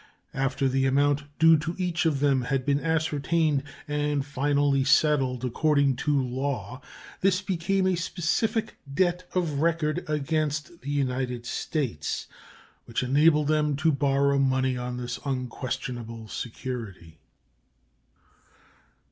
After the amount due to each of them had been ascertained and finally settled according to law, this became a specific debt of record against the United States, which enabled them to borrow money on this unquestionable security.